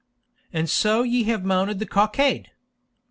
And so ye have mounted the cockade?